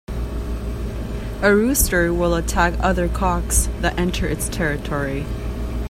A rooster will attack other cocks that enter its territory.